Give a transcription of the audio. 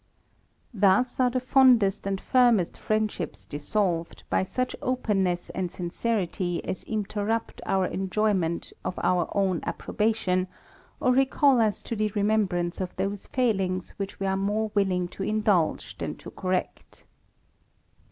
Thus are the fondest and firmest friendships dissolved^ 62 THE RAMBLER. by such openness and sincerity as interrupt our enjoyment of our own approbation, or recall us to the remembrance of those failings which we are more willing to indulge than to correct.